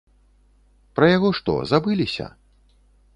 Пра яго што, забыліся?